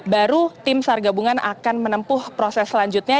baru tim sargabungan akan menempuh proses selanjutnya